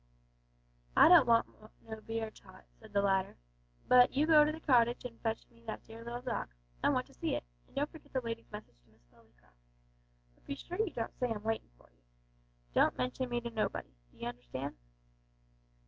"I don't want no beer, Tot," said the latter. "But you go to the cottage and fetch me that dear little dog. I want to see it; and don't forget the lady's message to Miss Lillycrop but be sure you don't say I'm waitin' for you. Don't mention me to nobody. D'ee understand?"